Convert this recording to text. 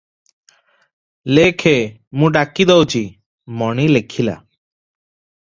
ଲେଖେ, ମୁଁ ଡାକି ଦଉଚି"- ମଣି ଲେଖିଲା-